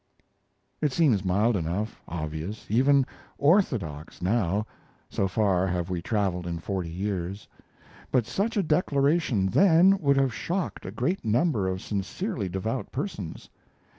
It seems mild enough, obvious, even orthodox, now so far have we traveled in forty years. But such a declaration then would have shocked a great number of sincerely devout persons.